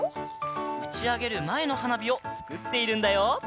うちあげるまえのはなびをつくっているんだよ。